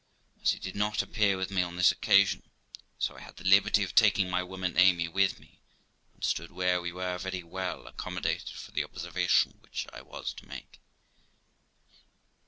As he did not appear with me on this occasion, so I had the liberty of taking my woman Amy with me, and stood where we were very well accommodated for the observation which I was to make.